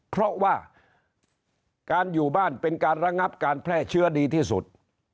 เพราะว่าการอยู่บ้านเป็นการระงับการแพร่เชื้อดีที่สุด